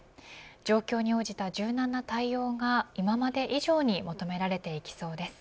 状況に応じた柔軟な対応が今まで以上に求められていきそうです。